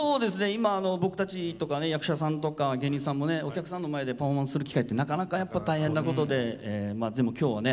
今僕たちとかね役者さんとか芸人さんもねお客さんの前でパフォーマンスする機会ってなかなかやっぱ大変なことででも今日はね